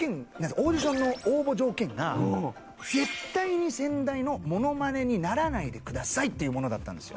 オーディションの応募条件が絶対に先代のモノマネにならないでくださいっていうものだったんですよ。